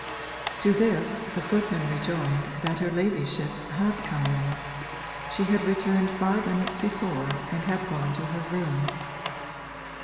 To this the footman rejoined that her ladyship had come in she had returned five minutes before and had gone to her room.